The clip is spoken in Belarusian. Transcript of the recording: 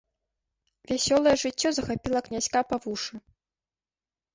Вясёлае жыццё захапіла князька па вушы.